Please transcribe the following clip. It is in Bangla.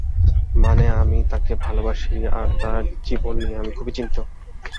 মানে, আমি তাকে ভালোবাসি আর তার জীবন নিয়ে আমি খুবই চিন্তিত।